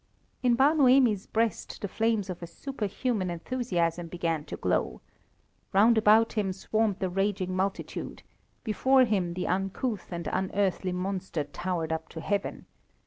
In Bar Noemi's breast the flames of a superhuman enthusiasm began to glow. Round about him swarmed the raging multitude; before him the uncouth and unearthly monster towered up to heaven.